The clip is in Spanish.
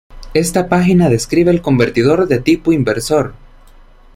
Esta página describe el convertidor de tipo inversor.